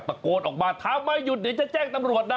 ตะโกนออกมาถามไม่หยุดเดี๋ยวจะแจ้งตำรวจนะ